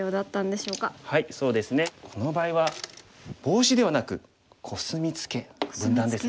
そうですねこの場合はボウシではなくコスミツケ分断ですね。